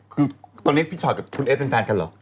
คือตอนนี้พี่ชอตกับคุณเอสเป็นแฟนกันเหรอ